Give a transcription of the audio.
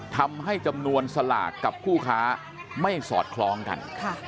ทำให้จำนวนสลากกับคู่ค้าไม่สอดคล้องกัน